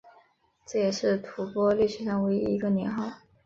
这也是吐蕃历史上唯一一个年号。